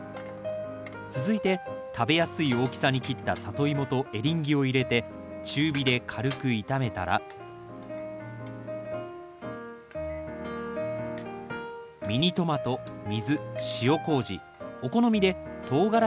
続いて食べやすい大きさに切ったサトイモとエリンギを入れて中火で軽く炒めたらミニトマト水塩こうじお好みでトウガラシも入れます。